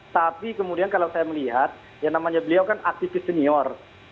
tapi kemudian kalau saya melihat yang namanya beliau kan aktivis senior